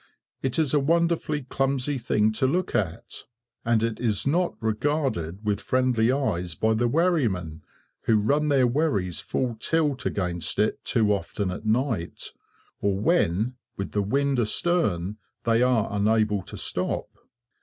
It is a wonderfully clumsy thing to look at, and is not regarded with friendly eyes by the wherrymen, who run their wherries full tilt against it too often at night, or when, with the wind astern, they are unable to stop.